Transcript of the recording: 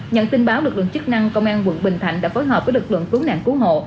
nhận tin báo lực lượng chức năng công an quận bình thạnh đã phối hợp với lực lượng cứu nạn cứu hộ